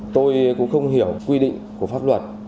tôi cũng không hiểu quy định của pháp luật